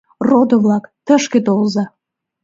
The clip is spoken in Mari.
— Родо-влак, тышке толза!..